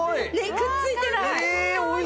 くっついてない！